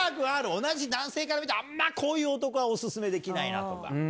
同じ男性から見て、あんまこういう男は、お勧めできないなとか。